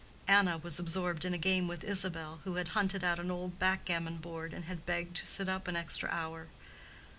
(Anna was absorbed in a game with Isabel, who had hunted out an old back gammon board, and had begged to sit up an extra hour.)